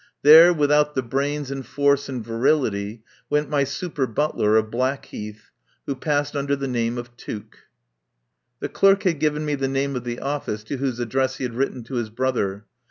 There, without the brains and force and virility, went my super butler of Black heath, who passed under the name of Tuke. The clerk had given me the name of the office to whose address he had written to his brother.